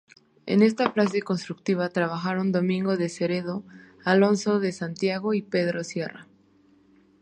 En esta fase constructiva trabajaron Domingo de Cerecedo, Alonso de Santiago y Pedro Sierra.